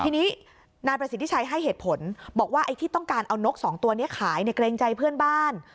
ทีนี้นายประสิทธิชัยให้เหตุผลบอกว่าไอ้ที่ต้องการเอานกสองตัวนี้ขายเนี่ยเกรงใจเพื่อนบ้าน